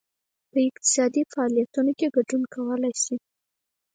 په اقتصادي فعالیتونو کې ګډون کولای شي.